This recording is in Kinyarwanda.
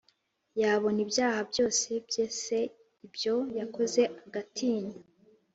Yabona ibyaha byose bya se ibyo yakoze agatinya